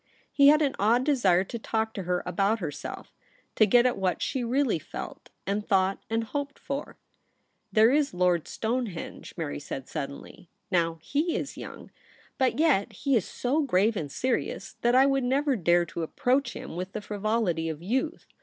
He had an odd desire to talk to her about herself — to get at what she really felt, and thought, and hoped for. ' There is Lord Stonehenge,' Mary said suddenly. ' Now, he is young ; but yet he is so grave and serious that I never could dare to approach him with the frivolity of youth.